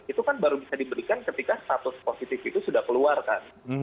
itu kan baru bisa diberikan ketika status positif itu sudah keluar kan